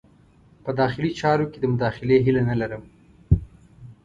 په داخلي چارو کې د مداخلې هیله نه لرم.